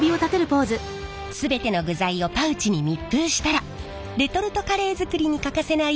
全ての具材をパウチに密封したらレトルトカレー作りに欠かせない